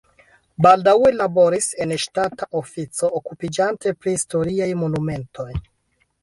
Baldaŭe li laboris en ŝtata ofico okupiĝanta pri historiaj monumentoj.